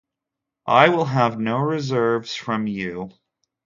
I will have no reserves from you.